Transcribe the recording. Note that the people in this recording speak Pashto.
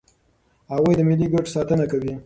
هغوی د ملي ګټو ساتنه کوي.